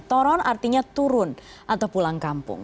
toron artinya turun atau pulang kampung